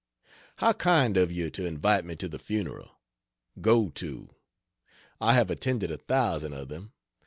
How kind of you to invite me to the funeral. Go to; I have attended a thousand of them.